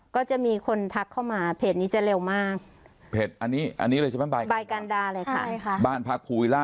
ก็จะมีคนทักเข้ามาเพจนี้จะเร็วมากเพจอันนี้ลืมที่มั่นใบไปกันได้เลยค่ะบ้านพักผู้